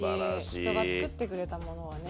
人が作ってくれたものはね